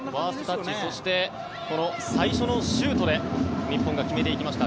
そして最初のシュートで日本が決めていきました。